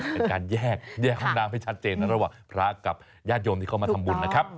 เป็นการแยกห้องน้ำให้ชัดเจนระหว่างพระกับญาติโยมที่เข้ามาทำบุญนะครับ